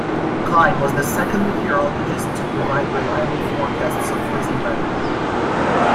Cline was the second meteorologist to provide reliable forecasts of freezing weather.